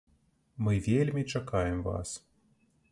Мы вельмі чакаем вас!